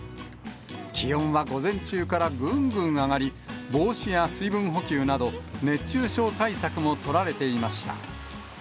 気温は午前中からぐんぐん上がり、帽子や水分補給など、熱中症対策も取られていました。